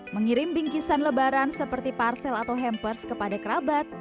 mengirim bingkisan lebaran seperti parcel atau hampers kepada kerabat